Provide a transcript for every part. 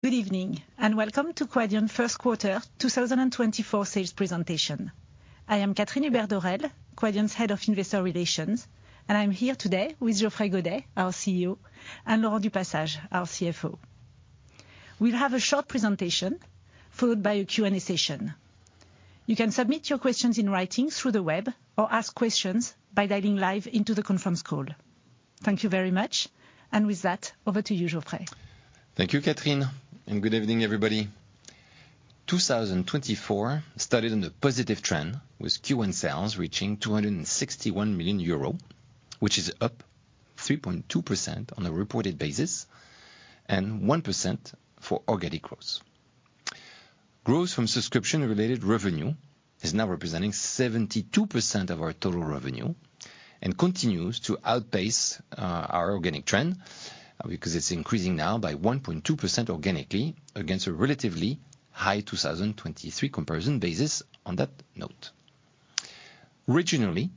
Good evening, and welcome to Quadient First Quarter 2024 sales presentation. I am Catherine Hubert-Dorel, Quadient's Head of Investor Relations, and I'm here today with Geoffrey Godet, our CEO, and Laurent du Passage, our CFO. We'll have a short presentation followed by a Q&A session. You can submit your questions in writing through the web or ask questions by dialing live into the conference call. Thank you very much. With that, over to you, Geoffrey. Thank you, Catherine, and good evening, everybody. 2024 started on a positive trend, with Q1 sales reaching 261 million euro, which is up 3.2% on a reported basis and 1% for organic growth. Growth from subscription-related revenue is now representing 72% of our total revenue and continues to outpace our organic trend, because it's increasing now by 1.2% organically against a relatively high 2023 comparison basis. On that note. Regionally,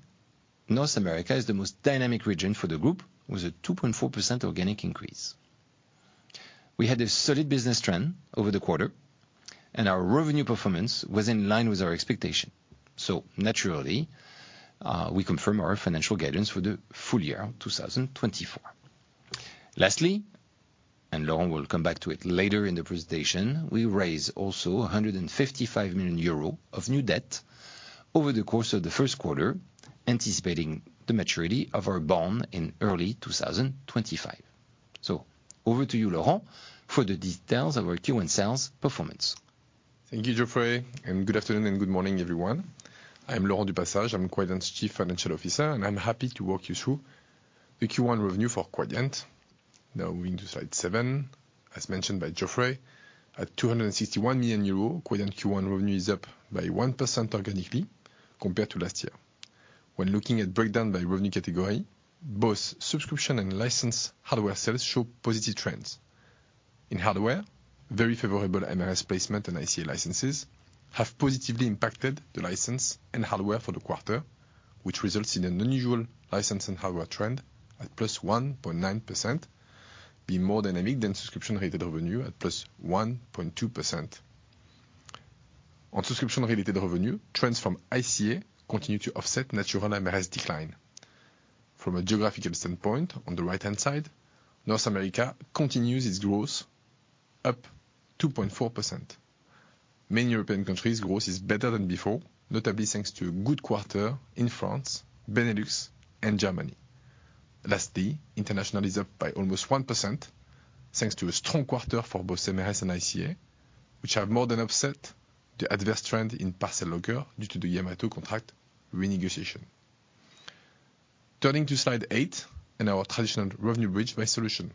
North America is the most dynamic region for the group, with a 2.4% organic increase. We had a solid business trend over the quarter, and our revenue performance was in line with our expectation. So naturally, we confirm our financial guidance for the full year of 2024. Lastly, and Laurent will come back to it later in the presentation, we raise also 155 million euro of new debt over the course of the first quarter, anticipating the maturity of our bond in early 2025. So over to you, Laurent, for the details of our Q1 sales performance. Thank you, Geoffrey, and good afternoon and good morning, everyone. I'm Laurent du Passage, I'm Quadient's Chief Financial Officer, and I'm happy to walk you through the Q1 revenue for Quadient. Now moving to slide seven. As mentioned by Geoffrey, at 261 million euros, Quadient Q1 revenue is up by 1% organically compared to last year. When looking at breakdown by revenue category, both subscription and license hardware sales show positive trends. In hardware, very favorable MRS placement and ICA licenses have positively impacted the license and hardware for the quarter, which results in an unusual license and hardware trend at +1.9%, being more dynamic than subscription-related revenue at +1.2%. On subscription-related revenue, trends from ICA continue to offset natural MRS decline. From a geographical standpoint, on the right-hand side, North America continues its growth, up 2.4%. Many European countries' growth is better than before, notably thanks to a good quarter in France, Benelux, and Germany. Lastly, international is up by almost 1%, thanks to a strong quarter for both MRS and ICA, which have more than offset the adverse trend in Parcel Locker due to the Yamato contract renegotiation. Turning to slide eight and our traditional revenue bridge by solution.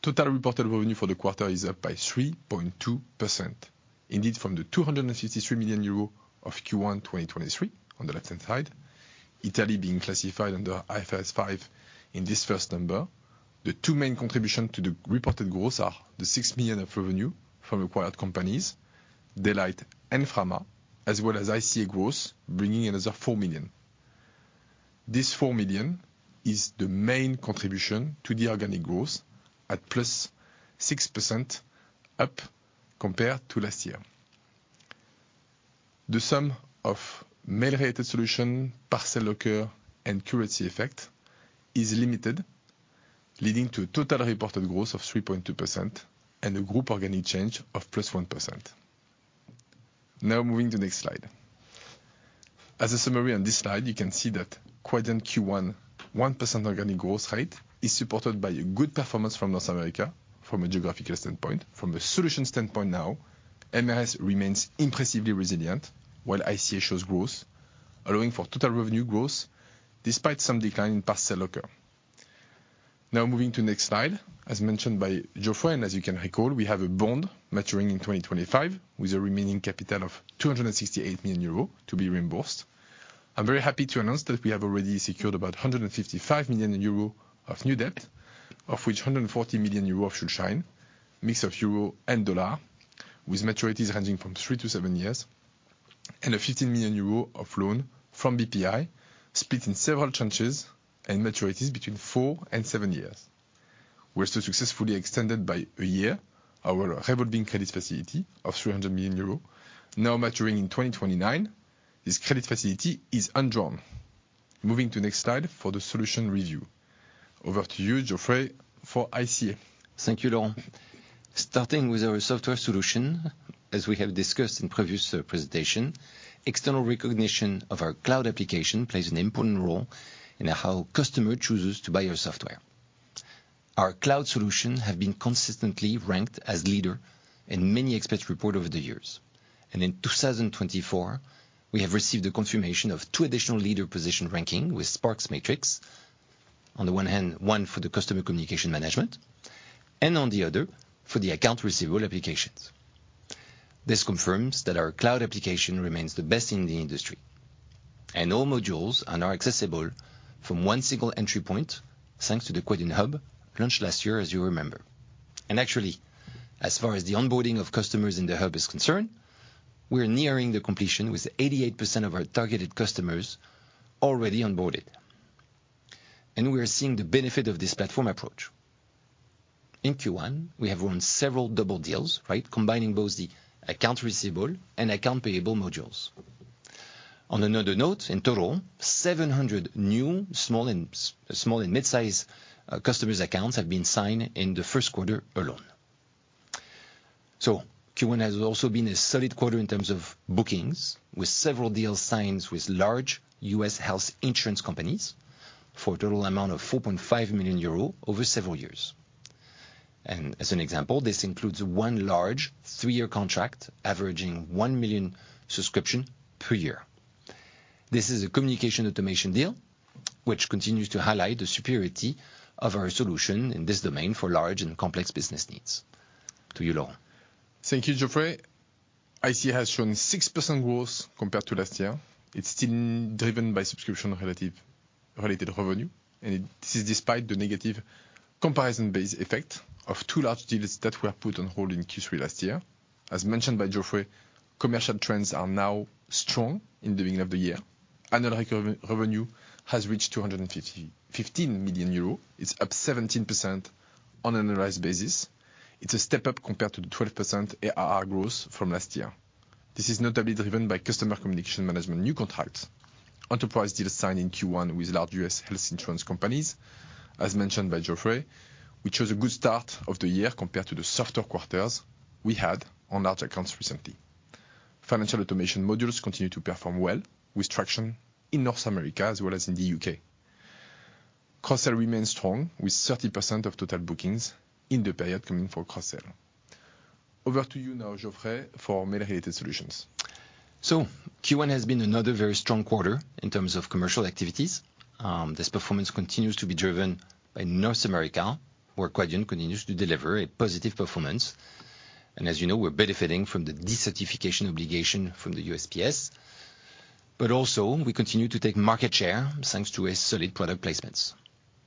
Total reported revenue for the quarter is up by 3.2%. Indeed, from the 263 million euro of Q1 2023, on the left-hand side, Italy being classified under IFRS 5 in this first number. The two main contributions to the reported growth are the 6 million of revenue from acquired companies, Daylight and Frama, as well as ICA growth, bringing another 4 million. This 4 million is the main contribution to the organic growth at +6% up compared to last year. The sum of Mail-Related Solution, Parcel Locker, and currency effect is limited, leading to a total reported growth of 3.2% and a group organic change of +1%. Now moving to the next slide. As a summary on this slide, you can see that Quadient Q1 1% organic growth rate is supported by a good performance from North America from a geographical standpoint. From a solution standpoint now, MRS remains impressively resilient, while ICA shows growth, allowing for total revenue growth despite some decline in Parcel Locker. Now moving to the next slide. As mentioned by Geoffrey, and as you can recall, we have a bond maturing in 2025 with a remaining capital of 268 million euro to be reimbursed. I'm very happy to announce that we have already secured about 155 million euro of new debt, of which 140 million euro Schuldschein, mix of euro and dollar, with maturities ranging from 3-7 years, and a 15 million euro loan from Bpifrance, split in several tranches and maturities between four and seven years. We also successfully extended by a year our revolving credit facility of 300 million euro, now maturing in 2029. This credit facility is undrawn. Moving to next slide for the solution review. Over to you, Geoffrey, for ICA. Thank you, Laurent. Starting with our software solution, as we have discussed in previous presentation, external recognition of our cloud application plays an important role in how customer chooses to buy our software. Our cloud solution have been consistently ranked as leader in many expert reports over the years. In 2024, we have received the confirmation of two additional leader position rankings with SPARK Matrix. On the one hand, one for the Customer Communication Management, and on the other, for the Accounts Receivable applications. This confirms that our cloud application remains the best in the industry, and all modules are accessible from one single entry point, thanks to the Quadient Hub, launched last year, as you remember. Actually, as far as the onboarding of customers in the hub is concerned, we are nearing the completion with 88% of our targeted customers already onboarded... and we are seeing the benefit of this platform approach. In Q1, we have won several double deals, right, combining both the Accounts Receivable and Accounts Payable modules. On another note, in total, 700 new small and midsize customers' accounts have been signed in the first quarter alone. So Q1 has also been a solid quarter in terms of bookings, with several deals signed with large U.S. health insurance companies for a total amount of 4.5 million euros over several years. And as an example, this includes one large three-year contract averaging 1 million subscription per year. This is a communication automation deal, which continues to highlight the superiority of our solution in this domain for large and complex business needs. To you, Laurent. Thank you, Geoffrey. ICA has shown 6% growth compared to last year. It's still driven by subscription relative, related revenue, and it is despite the negative comparison base effect of two large deals that were put on hold in Q3 last year. As mentioned by Geoffrey, commercial trends are now strong in the beginning of the year. Annual recurring revenue has reached 255 million euros. It's up 17% on an annualized basis. It's a step up compared to the 12% ARR growth from last year. This is notably driven by Customer Communication Management new contracts. Enterprise deals signed in Q1 with large U.S. health insurance companies. As mentioned by Geoffrey, which was a good start of the year compared to the softer quarters we had on large accounts recently. Financial Automation modules continue to perform well with traction in North America as well as in the U.K. Cross-sell remains strong, with 30% of total bookings in the period coming from cross-sell. Over to you now, Geoffrey, for Mail-Related Solutions. So Q1 has been another very strong quarter in terms of commercial activities. This performance continues to be driven by North America, where Quadient continues to deliver a positive performance, and as you know, we're benefiting from the decertification obligation from the USPS. But also we continue to take market share, thanks to a solid product placements.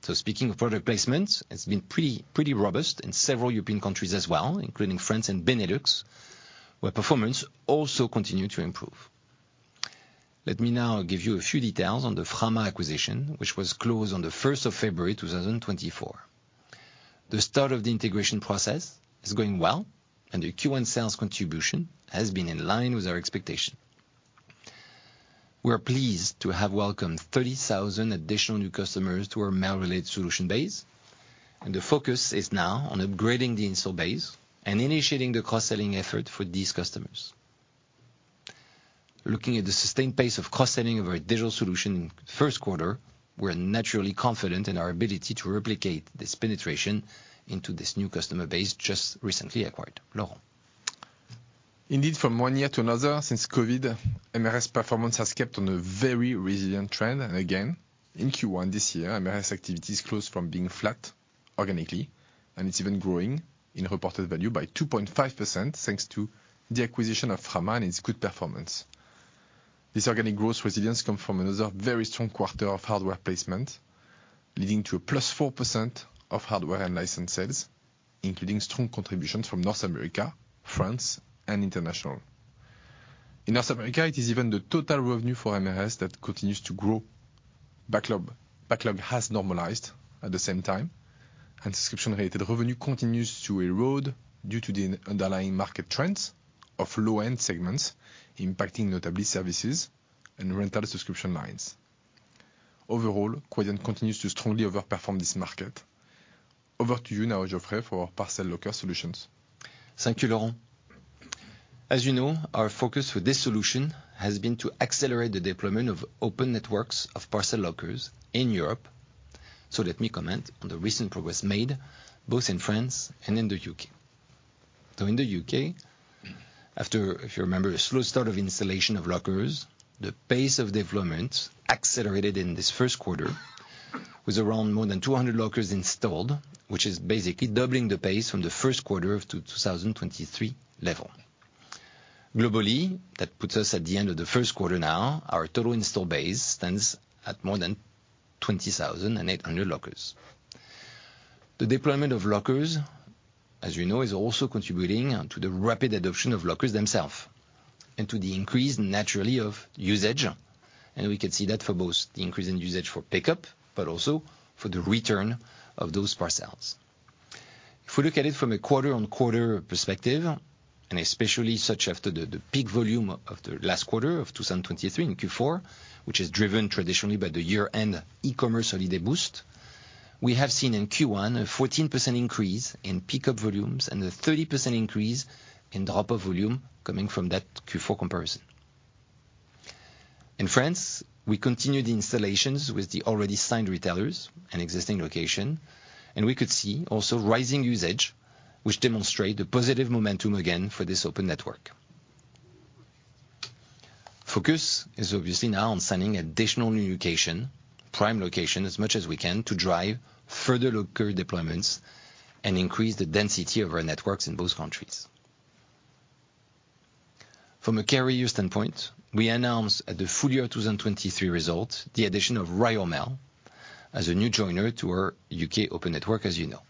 So speaking of product placements, it's been pretty, pretty robust in several European countries as well, including France and Benelux, where performance also continue to improve. Let me now give you a few details on the Frama acquisition, which was closed on the first of February, 2024. The start of the integration process is going well, and the Q1 sales contribution has been in line with our expectation. We are pleased to have welcomed 30,000 additional new customers to our Mail-Related Solution base, and the focus is now on upgrading the installed base and initiating the cross-selling effort for these customers. Looking at the sustained pace of cross-selling of our digital solution in first quarter, we're naturally confident in our ability to replicate this penetration into this new customer base just recently acquired. Laurent. Indeed, from one year to another, since Covid, MRS performance has kept on a very resilient trend, and again, in Q1 this year, MRS activities closed from being flat organically, and it's even growing in reported value by 2.5%, thanks to the acquisition of Frama and its good performance. This organic growth resilience come from another very strong quarter of hardware placement, leading to a +4% of hardware and license sales, including strong contributions from North America, France, and International. In North America, it is even the total revenue for MRS that continues to grow. Backlog, backlog has normalized at the same time, and subscription-related revenue continues to erode due to the underlying market trends of low-end segments, impacting notably services and rental subscription lines. Overall, Quadient continues to strongly overperform this market. Over to you now, Geoffrey, for Parcel Locker Solutions. Thank you, Laurent. As you know, our focus for this solution has been to accelerate the deployment of open networks of Parcel Lockers in Europe. So let me comment on the recent progress made both in France and in the U.K. So in the U.K., after, if you remember, a slow start of installation of lockers, the pace of deployment accelerated in this first quarter with around more than 200 lockers installed, which is basically doubling the pace from the first quarter of 2023 level. Globally, that puts us at the end of the first quarter now, our total install base stands at more than 20,800 lockers. The deployment of lockers, as you know, is also contributing to the rapid adoption of lockers themselves and to the increase, naturally, of usage, and we can see that for both the increase in usage for pickup, but also for the return of those parcels. If we look at it from a quarter-on-quarter perspective, and especially such after the, the peak volume of the last quarter of 2023, in Q4, which is driven traditionally by the year-end e-commerce holiday boost, we have seen in Q1 a 14% increase in pickup volumes and a 30% increase in drop-off volume coming from that Q4 comparison. In France, we continued the installations with the already signed retailers and existing location, and we could see also rising usage, which demonstrate the positive momentum again for this open network. Focus is obviously now on signing additional new location, prime location, as much as we can to drive further locker deployments and increase the density of our networks in both countries. From a carrier standpoint, we announced at the full year 2023 results, the addition of Royal Mail as a new joiner to our U.K. open network, as you know.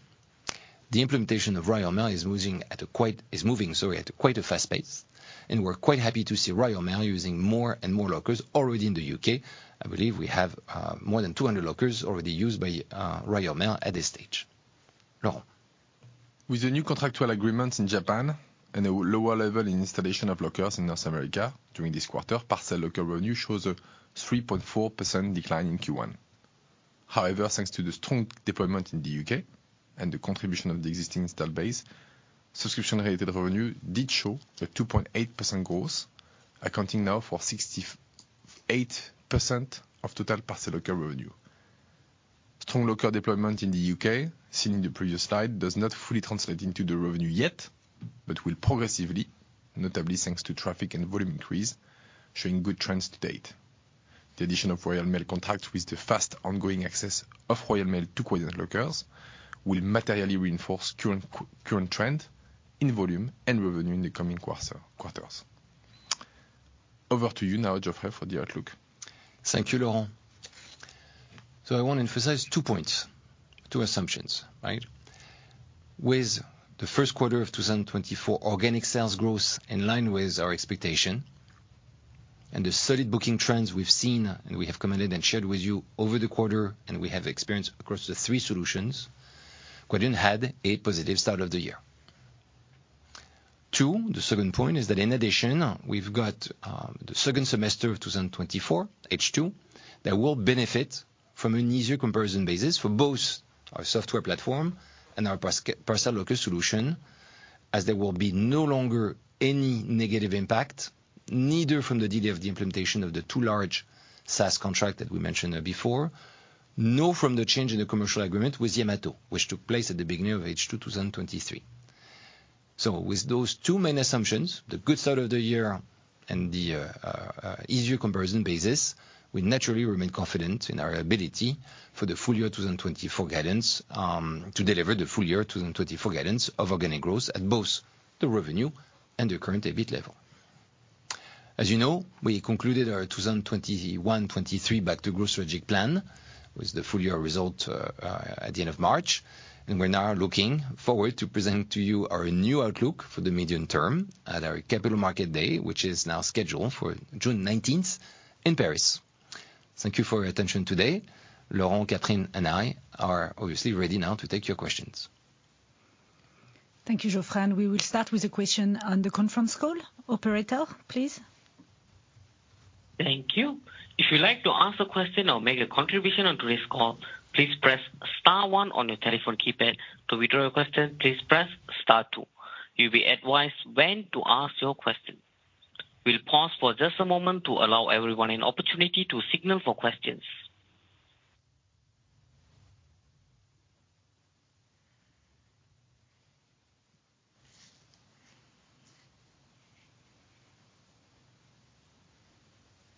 The implementation of Royal Mail is moving at quite a fast pace, and we're quite happy to see Royal Mail using more and more lockers already in the U.K. I believe we have more than 200 lockers already used by Royal Mail at this stage. Laurent? With the new contractual agreements in Japan and a lower level in installation of lockers in North America during this quarter, Parcel Locker revenue shows a 3.4% decline in Q1. However, thanks to the strong deployment in the U.K. and the contribution of the existing installed base, subscription-related revenue did show a 2.8% growth, accounting now for 68% of total Parcel Locker revenue. Strong locker deployment in the U.K., seen in the previous slide, does not fully translate into the revenue yet, but will progressively, notably thanks to traffic and volume increase, showing good trends to date. The addition of Royal Mail contract with the fast ongoing access of Royal Mail to Quadient lockers will materially reinforce current trend in volume and revenue in the coming quarter, quarters. Over to you now, Geoffrey, for the outlook. Thank you, Laurent. So I want to emphasize two points, two assumptions, right? With the first quarter of 2024, organic sales growth in line with our expectation and the solid booking trends we've seen, and we have commented and shared with you over the quarter, and we have experienced across the three solutions, Quadient had a positive start of the year. Two, the second point is that in addition, we've got, the second semester of 2024, H2, that will benefit from an easier comparison basis for both our software platform and our Parcel Locker Solution, as there will be no longer any negative impact, neither from the delay of the implementation of the two large SaaS contract that we mentioned, before, nor from the change in the commercial agreement with Yamato, which took place at the beginning of H2 2023. So with those two main assumptions, the good start of the year and the easier comparison basis, we naturally remain confident in our ability for the full year 2024 guidance, to deliver the full year 2024 guidance of organic growth at both the revenue and the current EBIT level. As you know, we concluded our 2021-2023 Back to Growth strategic plan with the full year result, at the end of March, and we're now looking forward to presenting to you our new outlook for the medium term at our Capital Markets Day, which is now scheduled for June nineteenth in Paris. Thank you for your attention today. Laurent, Catherine, and I are obviously ready now to take your questions. Thank you, Geoffrey, and we will start with a question on the conference call. Operator, please. Thank you. If you'd like to ask a question or make a contribution on today's call, please press star one on your telephone keypad. To withdraw your question, please press star two. You'll be advised when to ask your question. We'll pause for just a moment to allow everyone an opportunity to signal for questions.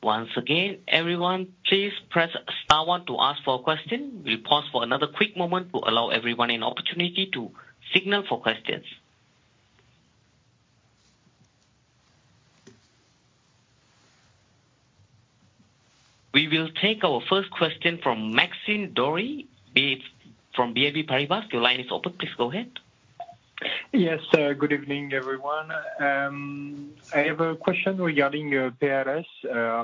Once again, everyone, please press star one to ask for a question. We'll pause for another quick moment to allow everyone an opportunity to signal for questions. We will take our first question from Maxime Doré from BNP Paribas. Your line is open, please go ahead. Yes, good evening, everyone. I have a question regarding PLS.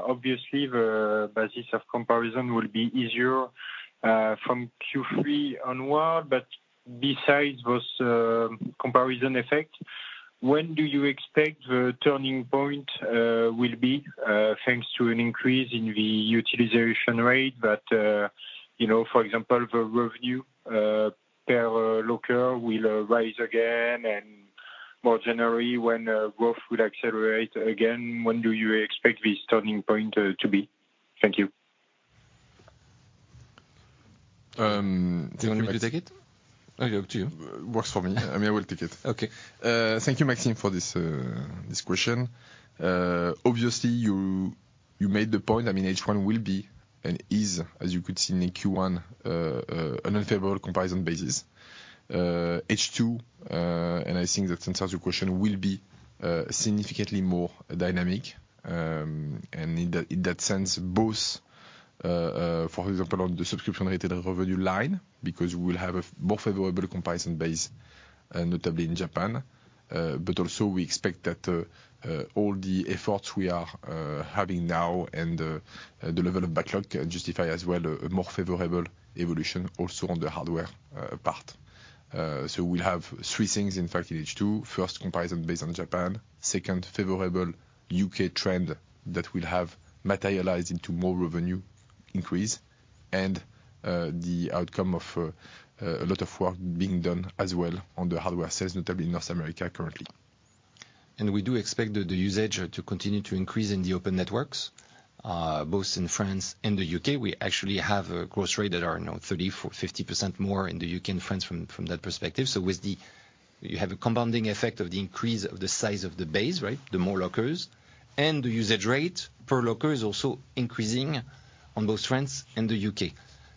Obviously, the basis of comparison will be easier from Q3 onward, but besides this comparison effect, when do you expect the turning point will be thanks to an increase in the utilization rate, but you know, for example, the revenue per locker will rise again? And more generally, when growth will accelerate again, when do you expect this turning point to be? Thank you. Do you want me to take it? Oh, up to you. Works for me. I mean, I will take it. Okay. Thank you, Maxime, for this question. Obviously, you made the point. I mean, H1 will be an ease, as you could see in the Q1, unfavorable comparison basis. H2, and I think that answers your question, will be significantly more dynamic. And in that sense, both, for example, on the subscription-related revenue line, because we will have a more favorable comparison base, notably in Japan. But also we expect that all the efforts we are having now and the level of backlog justify as well a more favorable evolution also on the hardware part. So we have three things, in fact, in H2. First, comparison based on Japan. Second, favorable U.K. trend that will have materialized into more revenue increase. The outcome of a lot of work being done as well on the hardware sales, notably in North America currently. We do expect the usage to continue to increase in the open networks, both in France and the U.K. We actually have a growth rate that are now 30%-50% more in the U.K. and France from that perspective. So with the... You have a compounding effect of the increase of the size of the base, right? The more lockers and the usage rate per locker is also increasing on both France and the U.K.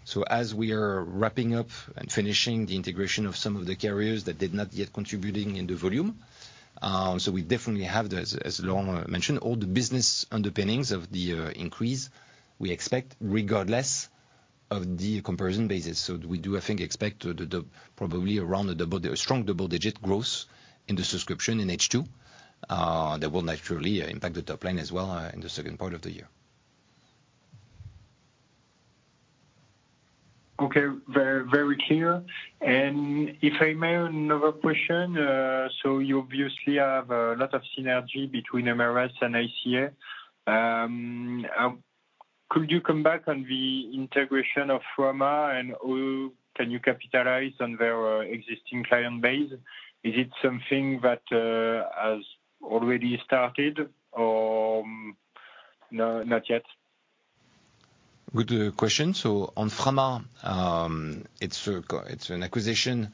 So as we are wrapping up and finishing the integration of some of the carriers that did not yet contributing in the volume. So we definitely have the, as Laurent mentioned, all the business underpinnings of the increase we expect, regardless of the comparison basis. We do, I think, expect to do probably around a double, a strong double-digit growth in the subscription in H2. That will naturally impact the top line as well in the second part of the year. Okay, very, very clear. And if I may, another question. So you obviously have a lot of synergy between MRS and ICA. Could you come back on the integration of Frama and who can you capitalize on their existing client base? Is it something that has already started or no, not yet? Good question. So on Frama, it's an acquisition.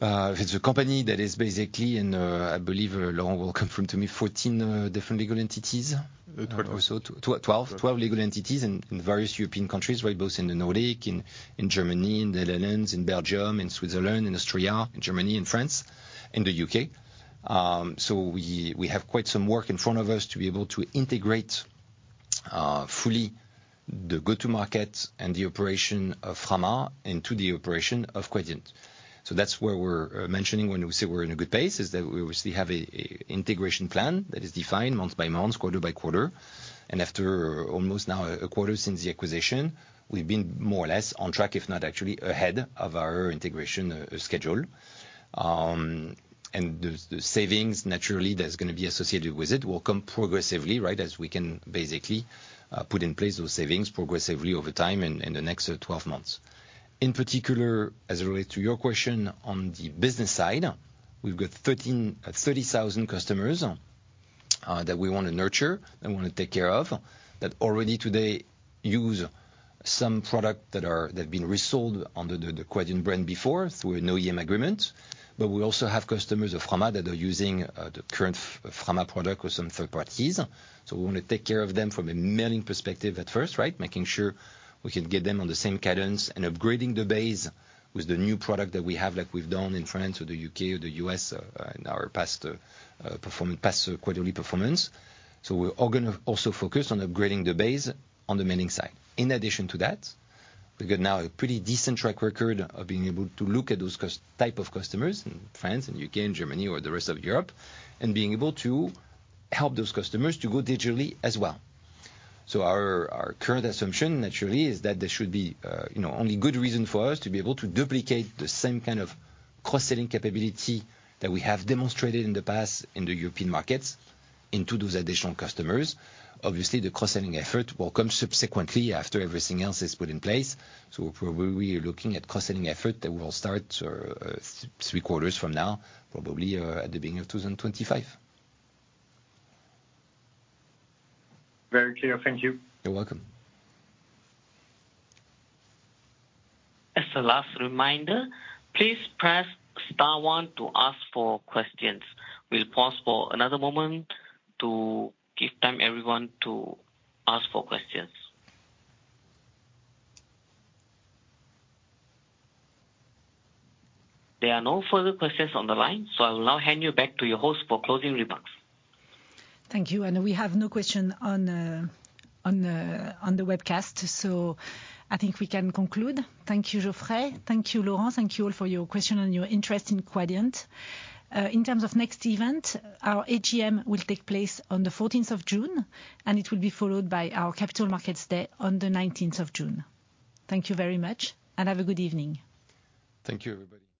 It's a company that is basically in, I believe, Laurent will confirm to me, 14 different legal entities. 12. So 12, 12 legal entities in various European countries, right? Both in the Nordics, in Germany, in the Netherlands, in Belgium, in Switzerland, in Austria, in Germany, in France, in the U.K. So we have quite some work in front of us to be able to integrate fully the go-to-market and the operation of Frama into the operation of Quadient. So that's where we're mentioning when we say we're in a good pace, is that we obviously have a integration plan that is defined month by month, quarter by quarter. After almost a quarter now since the acquisition, we've been more or less on track, if not actually ahead of our integration schedule. And the savings, naturally, that's gonna be associated with it will come progressively, right? As we can basically put in place those savings progressively over time in the next 12 months. In particular, as it relates to your question on the business side, we've got 130,000 customers that we wanna nurture and wanna take care of, that already today use some products that have been resold under the Quadient brand before, through an OEM agreement. But we also have customers of Frama that are using the current Frama product with some third parties. So we wanna take care of them from a mailing perspective at first, right? Making sure we can get them on the same cadence and upgrading the base with the new product that we have, like we've done in France or the U.K. or the U.S., in our past performing—past quarterly performance. So we're all gonna also focus on upgrading the base on the mailing side. In addition to that, we've got now a pretty decent track record of being able to look at those type of customers in France and U.K. and Germany or the rest of Europe, and being able to help those customers to go digitally as well. So our current assumption, naturally, is that there should be, you know, only good reason for us to be able to duplicate the same kind of cross-selling capability that we have demonstrated in the past in the European markets into those additional customers. Obviously, the cross-selling effort will come subsequently, after everything else is put in place. So probably, we are looking at cross-selling effort that will start three quarters from now, probably, at the beginning of 2025. Very clear. Thank you. You're welcome. As a last reminder, please press star one to ask for questions. We'll pause for another moment to give time everyone to ask for questions. There are no further questions on the line, so I will now hand you back to your host for closing remarks. Thank you. We have no question on the webcast, so I think we can conclude. Thank you, Geoffrey. Thank you, Laurent. Thank you all for your question and your interest in Quadient. In terms of next event, our AGM will take place on the 14th of June, and it will be followed by our Capital Markets Day on the 19th of June. Thank you very much, and have a good evening. Thank you, everybody.